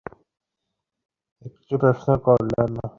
নিসার আলি একটি প্রশ্নও করলেন না।